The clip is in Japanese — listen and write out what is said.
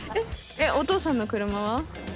お父さんの車は？